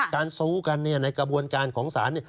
การสู้กันในกระบวนการของศาล